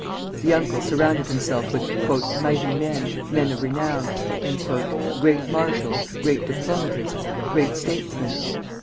The uncle surrounded himself with "mighty men, men of renown," great marshals, great diplomatists, great statesmen.